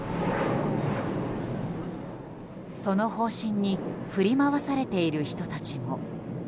その方針に振り回されている人たちも。